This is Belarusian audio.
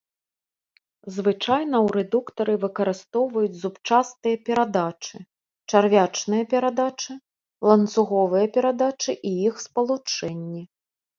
Звычайна ў рэдуктары выкарыстоўваюць зубчастыя перадачы, чарвячныя перадачы, ланцуговыя перадачы і іх спалучэнні.